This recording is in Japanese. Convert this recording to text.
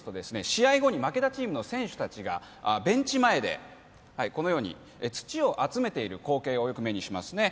試合後に負けたチームの選手達がベンチ前でこのように土を集めている光景をよく目にしますね